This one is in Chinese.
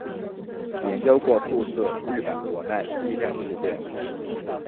研究过数次日本国内地震事件。